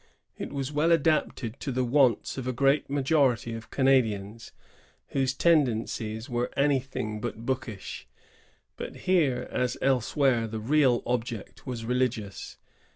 It was well adapted to the wants of a great majority of Canadians, whose ten dencies were anything but bookish; but here, as elsewhere, the real object was religious.